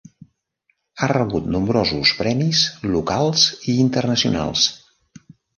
Ha rebut nombrosos premis locals i internacionals.